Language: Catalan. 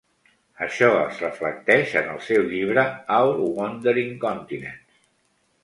Això es reflecteix en el seu llibre 'Our Wandering Continents'.